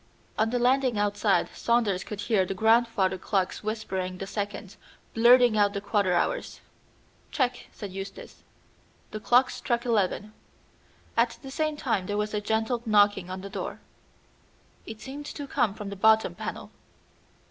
On the landing outside Saunders could hear the grandfather's clock whispering the seconds, blurting out the quarter hours. "Check!" said Eustace. The clock struck eleven. At the same time there was a gentle knocking on the door; it seemed to come from the bottom panel.